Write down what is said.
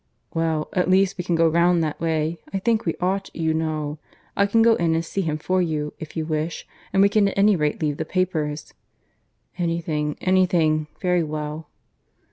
"Well, at least, we can go round that way. I think we ought, you know. I can go in and see him for you, if you wish; and we can at any rate leave the papers." "Anything, anything. ... Very well."